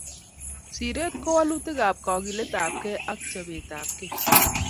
Siiret ko walutikap kakiletapkei ak chopetapkei